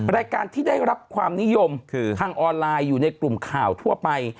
รายการที่ได้รับความนิยมทางออนไลน์อยู่ในกลุ่มข่าวทั่วไป